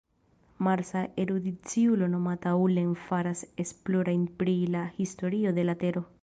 Marsa erudiciulo nomata Ullen faras esplorojn pri la historio de la Tero.